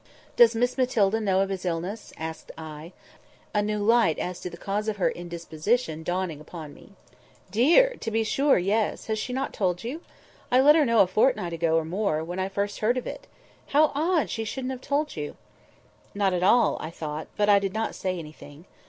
"Does Miss Matilda know of his illness?" asked I—a new light as to the cause of her indisposition dawning upon me. "Dear! to be sure, yes! Has not she told you? I let her know a fortnight ago, or more, when first I heard of it. How odd she shouldn't have told you!" Not at all, I thought; but I did not say anything.